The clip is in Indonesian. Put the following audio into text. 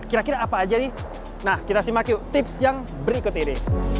kira kira apa aja nih nah kita simak yuk tips yang berikut ini